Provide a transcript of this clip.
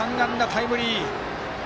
タイムリー！